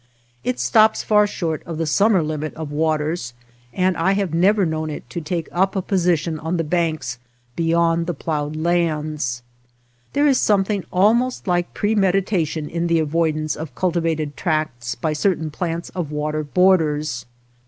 It stops far short of the summer limit of 229 OTHER WATER BORDERS waters, and I have never known it to take up a position on the banks beyond the ploughed lands. There is something almost like premeditation in the avoidance of cul tivated tracts by certain plants of water borders.